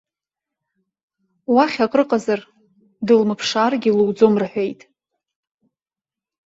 Уахь акрыҟазар дылмыԥшааргьы луӡом рҳәеит.